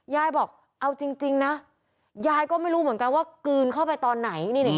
ยายบอกเอาจริงนะยายก็ไม่รู้เหมือนกันว่ากลืนเข้าไปตอนไหน